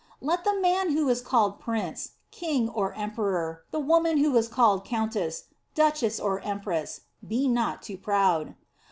Let the man who is called prince, king, or emperor ; the woman who is called countess, duchess, or empress, be not too proud.